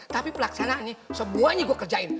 tapi pelaksanaannya semuanya gue kerjain